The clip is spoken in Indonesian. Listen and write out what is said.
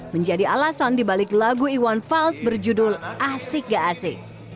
menjadi alasan dibalik lagu iwan fals berjudul asik gak asing